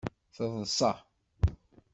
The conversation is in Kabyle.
Teḍsa.